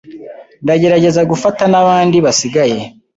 Ndagerageza gufata nabandi basigaye.